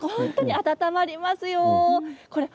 温まりますよ。